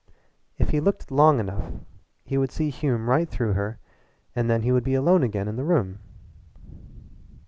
If he looked long enough he would see Hume right through her and then he would be alone again in the room.